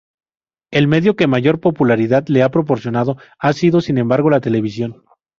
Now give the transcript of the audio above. El medio que mayor popularidad le ha proporcionado ha sido, sin embargo, la televisión.